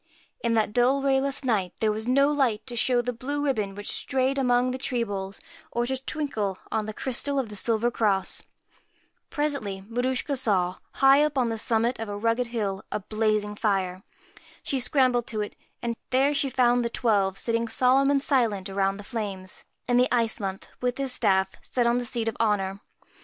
In that dull rayless night there was no light to show the blue ribbon, which strayed among the tree boles, or to twinkle on the crystal of the silver cross. Presently Maruschka saw, high up on the summit of a rugged hill, a blazing fire. She scrambled to it, and there she found the Twelve sitting solemn and silent around the flames, and the Ice Month, with his staff, sat still on the seat of honour.